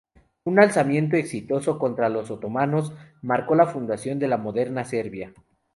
Un alzamiento exitoso contra los otomanos marcó la fundación de la moderna Serbia.